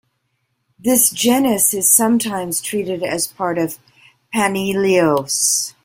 This genus is sometimes treated as part of "Panaeolus".